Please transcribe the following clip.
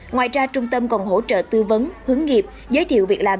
ngoài ra trung tâm còn hỗ trợ tư vấn hướng nghiệp giới thiệu việc làm